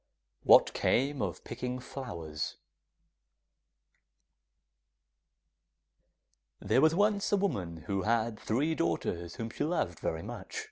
] What Came of Picking Flowers There was once a woman who had three daughters whom she loved very much.